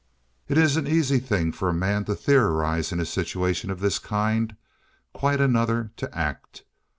It is an easy thing for a man to theorize in a situation of this kind, quite another to act.